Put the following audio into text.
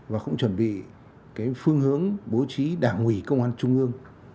và cũng chuẩn bị cái phương hướng bố trí đảng ủy công an trung ương